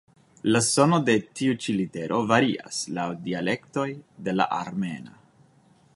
La sono de tiu ĉi litero varias laŭ la dialektoj de la armena.